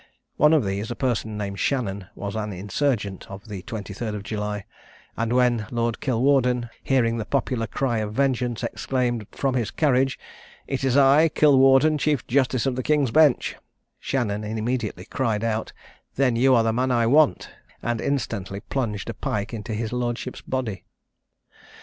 One of these, a person named Shannon, was an insurgent of the 23rd July; and when Lord Kilwarden, hearing the popular cry of vengeance, exclaimed from his carriage, "It is I, Kilwarden, chief justice of the King's Bench," Shannon immediately cried out, "Then you are the man I want," and instantly plunged a pike into his lordship's body.